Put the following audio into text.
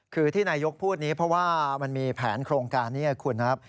คือที่นายกพูดนี้เพราะว่ามันมีแผนโครงการนี้ไงคุณครับ